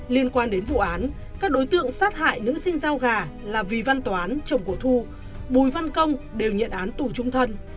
liên quan đến vụ án các đối tượng sát hại nữ sinh giao gà là vì văn toán chồng của thu bùi văn công đều nhận án tù trung thân